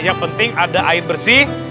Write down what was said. yang penting ada air bersih